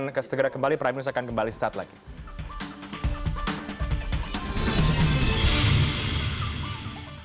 menjadi sebuah lembaga setingkat kementerian kita akan masuk saja kami akan ke segera kembali